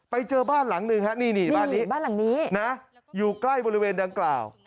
ไปเจอบ้านหลังหนึ่งนี่บ้านหลังนี้อยู่ใกล้บริเวณดังกล่าว